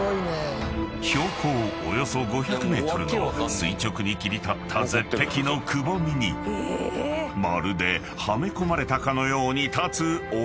［標高およそ５００ｍの垂直に切り立った絶壁のくぼみにまるではめ込まれたかのように建つお堂］